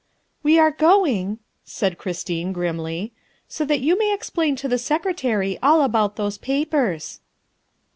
''" We are going," said Christine grimly, " so that you may explain to the Secretary all about those papers."